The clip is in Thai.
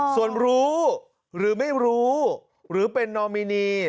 ส่วนรู้หรือไม่รู้หรือเป็นนอมินี